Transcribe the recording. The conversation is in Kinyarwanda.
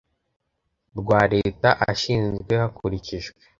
rwa Leta ashinzwe hakurikijwe